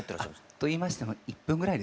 といいましても１分ぐらいですかね長くて。